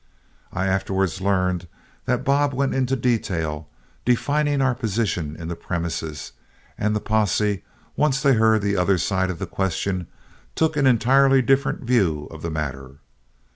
I afterwards learned that Bob went into detail in defining our position in the premises, and the posse, once they heard the other side of the question, took an entirely different view of the matter.